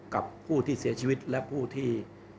กับผู้ที่เสียชีวิตและผู้ที่